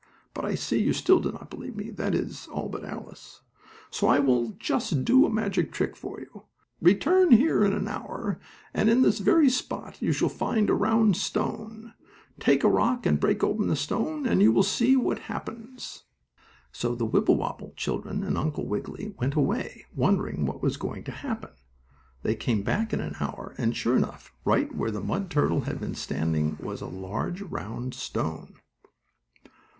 But I see you still do not believe me that is, all but Alice. So I will just do a magic trick for you. Return here in an hour, and in this very spot you shall find a round stone. Take a rock and break open the stone and you will see what happens." So the Wibblewobble children and Uncle Wiggily went away, wondering what was going to happen. They came back in an hour, and, sure enough, right where the mud turtle had been standing was a large, round stone.